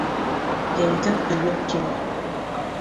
Йәйҙең өйө киң.